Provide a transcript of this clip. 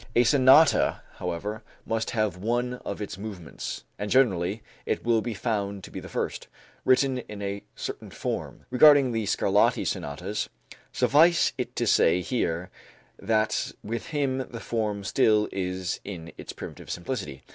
A sonata, however, must have one of its movements (and generally it will be found to be the first) written in a certain form. Regarding the Scarlatti sonatas, suffice it to say here that with him the form still is in its primitive simplicity.